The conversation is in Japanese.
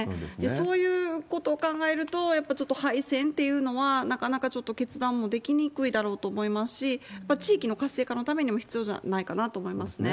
そういうことを考えると、やっぱりちょっと廃線というのは、なかなかちょっと決断もできにくいだろうと思いますし、地域の活性化のためにも必要じゃないかなと思いますね。